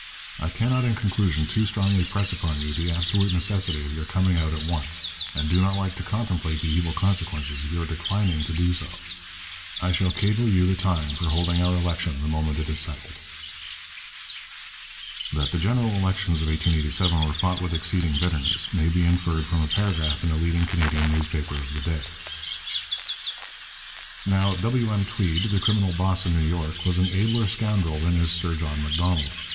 I cannot in conclusion too strongly press upon you the absolute necessity of your coming out at once, and do not like to contemplate the evil consequences of your declining to do so. I shall cable you the time for holding our election the moment it is settled. That the general elections of 1887 were fought with exceeding bitterness may be inferred from a paragraph in a leading Canadian newspaper of the day: Now W. M. Tweed [the criminal 'boss' in New York] was an abler scoundrel than is Sir John Macdonald.